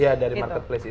iya dari marketplace itu